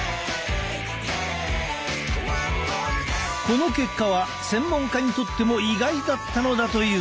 この結果は専門家にとっても意外だったのだという。